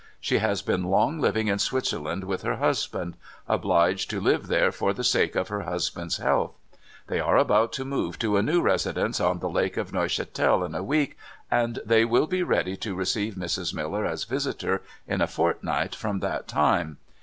She has been long living in Switzerland with her husband — obliged to live there for the sake of her husband's health. They are about to move to a new residence on the Lake of Neuchatel in a week, and they will be ready to receive Mrs. Miller as visitor in a fortnight from that time.